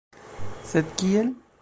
Sed kiel?